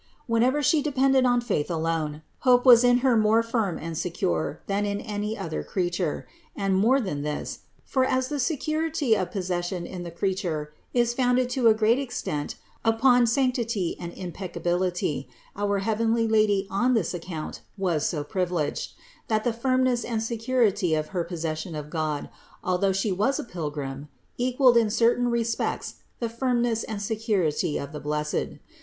Whenever She depended on faith alone, hope was in Her more firm and secure than in any other creature ; and more than this ; for, as the security of possession in the creature is founded to a great extent upon sanctity and impeccability, our heavenly Lady on this account was so privileged, that the firmness and security of her possession of God, although She was a pilgrim, equaled in certain respects the firmness and security of the blessed.